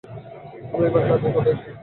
আমরা এবার কাজের কথায় আসি, কেমন?